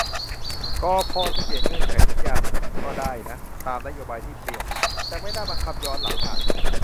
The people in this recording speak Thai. กพ.จะเปลี่ยนเงื่อนไขสัญญามันก็ได้นะ ตามนโยบายที่เปลี่ยน แต่ไม่น่าบังคับย้อนหลังอ่ะ